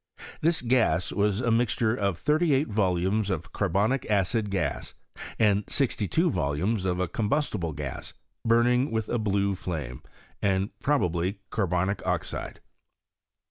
This gas was a mixture of thirty eight volumes of carbonic acid gas, and sixty* two volumes of a combustible gas, burning with ft blue flame, and probably carbonic oxide.